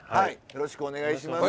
よろしくお願いします。